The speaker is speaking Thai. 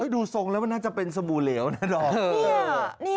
ดูทรงแล้วมันน่าจะเป็นสบู่เหลวนะดอม